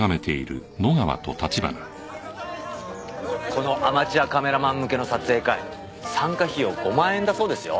このアマチュアカメラマン向けの撮影会参加費用５万円だそうですよ。